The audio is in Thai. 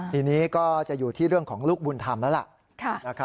ทีนี้ก็จะอยู่ที่เรื่องของลูกบุญธรรมแล้วล่ะ